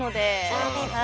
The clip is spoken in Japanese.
そうですね。